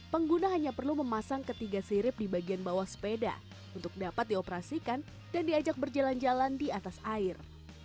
pengguna hanya perlu memasang ketiga sirip di bagian bawah sepeda untuk dapat dioperasikan dan diajak berjalan jalan di atas air